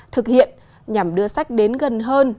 thực hiện nhằm đưa sách đến gần hơn